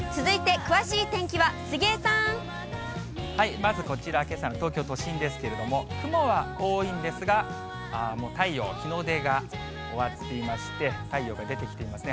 まずこちら、けさの東京都心ですけれども、雲は多いんですが、もう太陽、日の出が終わっていまして、太陽が出てきていますね。